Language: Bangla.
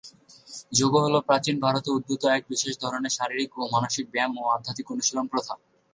যোগ হল প্রাচীন ভারতে উদ্ভূত এক বিশেষ ধরনের শারীরিক ও মানসিক ব্যায়াম এবং আধ্যাত্মিক অনুশীলন প্রথা।